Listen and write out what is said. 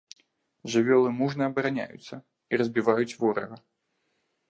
Жывёлы мужна абараняюцца і разбіваюць ворага.